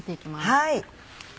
はい。